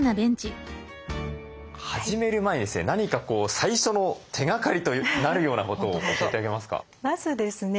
始める前にですね何か最初の手がかりになるようなことを教えて頂けますか。